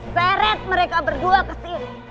seret mereka berdua ke sini